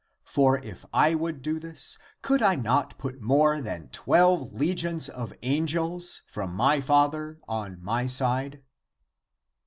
For if I would do this could I not put more than twelve legions of angels from my Father on my side?"''